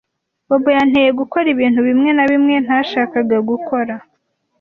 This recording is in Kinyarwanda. Bobo yanteye gukora ibintu bimwe na bimwe ntashakaga gukora.